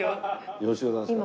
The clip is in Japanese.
よろしゅうございますか？